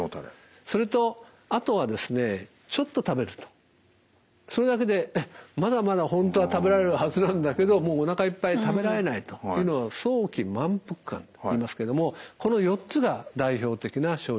それとあとはですねちょっと食べるとそれだけでまだまだ本当は食べられるはずなんだけどもうおなかいっぱい食べられないというのを早期満腹感といいますけどもこの４つが代表的な症状です。